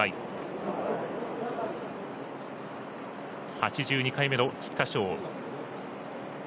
８２回目の菊花賞。